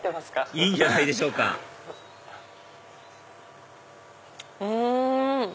いいんじゃないでしょうかうん！